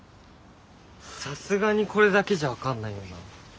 さすがにこれだけじゃ分かんないよな。